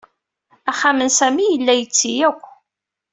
Axxam n Sami yella yetti akk.